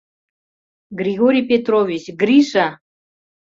— Григорий Петрович, Гриша!